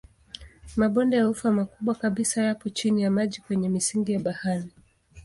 Mabonde ya ufa makubwa kabisa yapo chini ya maji kwenye misingi ya bahari.